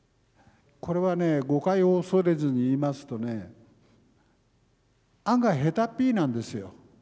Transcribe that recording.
これはね誤解を恐れずに言いますとね案外下手っぴなんですよ。